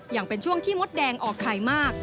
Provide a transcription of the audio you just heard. ยังเป็นช่วงที่มดแดงออกไข่มาก